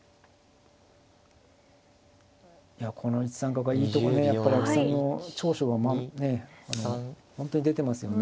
いやこの１三角はいいとこやっぱり阿久津さんの長所が本当に出てますよね。